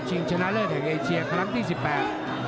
ชนะเลิศแห่งเอเชียครั้งที่สิบแปด